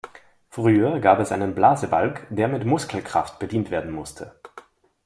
Früher gab es einen Blasebalg, der mit Muskelkraft bedient werden musste.